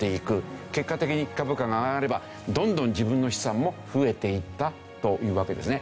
結果的に株価が上がればどんどん自分の資産も増えていったというわけですね。